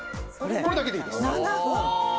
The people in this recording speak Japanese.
これだけでいいです。